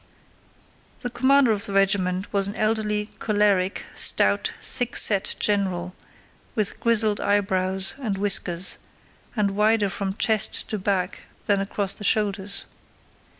The commander of the regiment was an elderly, choleric, stout, and thick set general with grizzled eyebrows and whiskers, and wider from chest to back than across the shoulders.